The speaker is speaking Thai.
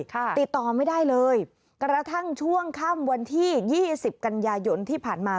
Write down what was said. ติดต่อไม่ได้เลยกระทั่งช่วงค่ำวันที่ยี่สิบกันยายนที่ผ่านมา